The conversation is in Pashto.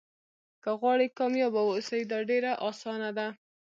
که غواړئ کامیابه واوسئ دا ډېره اسانه ده.